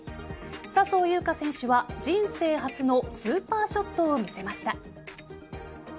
笹生優花選手は人生初のスーパーショットを見せました。